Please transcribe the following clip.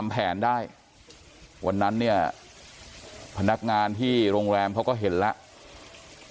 พนักงานที่โรงแรมเขาก็เห็นแล้ว